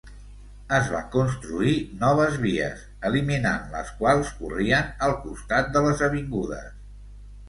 Es van construir noves vies, eliminant les quals corrien al costat de les avingudes.